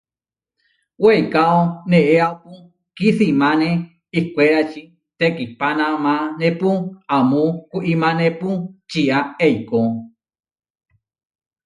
Weikáo neéapu kisimané ihkwérači, tekihpanamanépu amó kuimanépu čia eikó.